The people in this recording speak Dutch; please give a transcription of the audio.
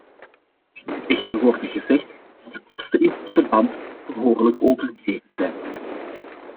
Het moet echter worden gezegd dat de kosten in dit verband behoorlijk overdreven zijn.